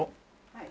はい。